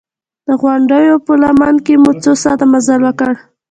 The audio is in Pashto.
د غونډیو په لمن کې مو څو ساعته مزل وکړ.